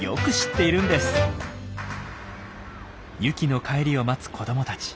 ユキの帰りを待つ子どもたち。